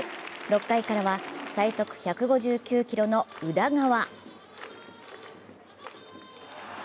６回からは最速１５９キロの宇田川。